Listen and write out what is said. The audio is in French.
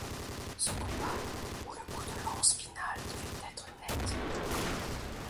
Ce combat où le coup de lance final devait être net.